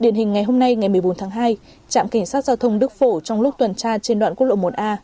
điển hình ngày hôm nay ngày một mươi bốn tháng hai trạm cảnh sát giao thông đức phổ trong lúc tuần tra trên đoạn quốc lộ một a